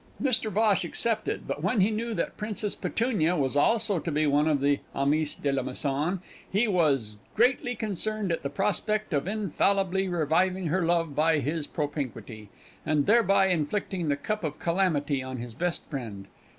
Mr Bhosh accepted but when he knew that Princess Petunia was also to be one of the amis de la maison, he was greatly concerned at the prospect of infallibly reviving her love by his propinquity, and thereby inflicting the cup of calamity on his best friend.